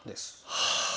はあ。